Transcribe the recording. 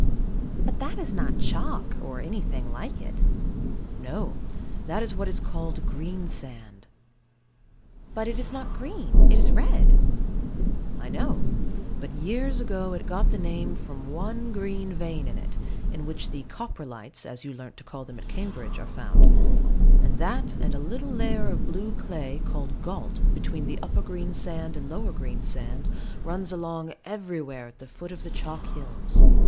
But that is not chalk, or anything like it. No, that is what is called Greensand. But it is not green, it is red. I know: but years ago it got the name from one green vein in it, in which the "Coprolites," as you learnt to call them at Cambridge, are found; and that, and a little layer of blue clay, called gault, between the upper Greensand and lower Greensand, runs along everywhere at the foot of the chalk hills.